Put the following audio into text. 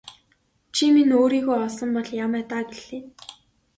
Чи минь өөрийгөө олсон бол яамай даа гэлээ.